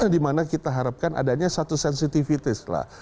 dimana kita harapkan adanya satu sensitivitis lah